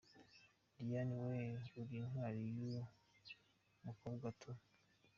Diane weee.uri in twari you u mukobwa tuu!!!